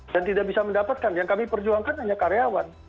dan tidak bisa mendapatkan yang kami perjuangkan hanya karyawan